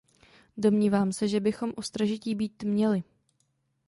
Domnívám se, že bychom ostražití být měli.